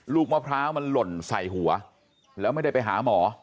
มะพร้าวมันหล่นใส่หัวแล้วไม่ได้ไปหาหมอ